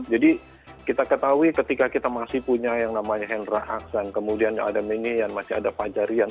jadi kita ketahui ketika kita masih punya yang namanya hendra aksan kemudian ada menyi yang masih ada pajarian